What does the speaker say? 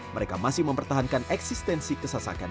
mereka masih mempertahankan eksistensi kesasakan